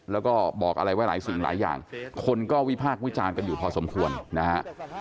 แล้วก็บอกอะไรไว้หลายสิ่งหลายอย่างคนก็วิพากษ์วิจารณ์กันอยู่พอสมควรนะฮะ